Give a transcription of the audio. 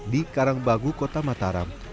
di karangbagu kota mataram